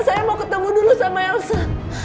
saya mau ketemu dulu sama elsa